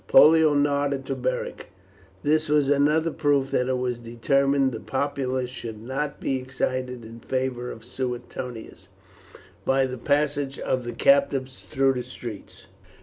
Pollio nodded to Beric; this was another proof that it was determined the populace should not be excited in favour of Suetonius by the passage of the captives through the streets.